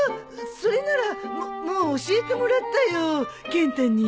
それならもう教えてもらったよケンタに。